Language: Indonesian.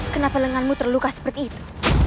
kenapa lenganmu terluka begitu